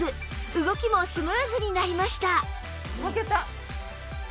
動きもスムーズになりました